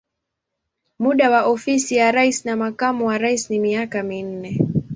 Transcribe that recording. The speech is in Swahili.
Muda wa ofisi ya rais na makamu wa rais ni miaka minne.